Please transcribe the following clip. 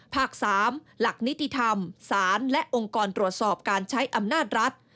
ภาค๓หลักนิติธรรมศาลและองค์กรตรวจสอบการใช้อำนาจรัฐ